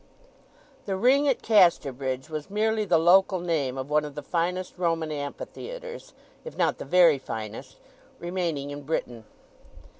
The Ring at Casterbridge was merely the local name of one of the finest Roman Amphitheatres, if not the very finest, remaining in Britain.